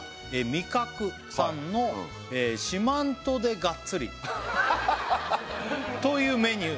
味覚さんの「四万十でガッツリ」というメニュー